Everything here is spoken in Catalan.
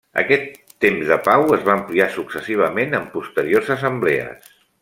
Aquest temps de pau es va ampliar successivament en posteriors assemblees.